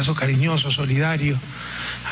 ada kekhawatiran korban akan terus meningkat